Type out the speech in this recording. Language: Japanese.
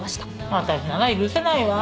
私なら許せないわ。